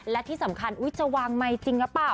และที่สำคัญอุ้ยจะวางใหม่จริงกับเปล่า